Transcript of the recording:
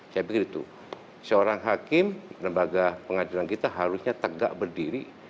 saya pikir itu seorang hakim lembaga pengadilan kita harusnya tegak berdiri